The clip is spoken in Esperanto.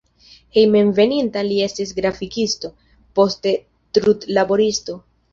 Hejmenveninta li estis grafikisto, poste trudlaboristo.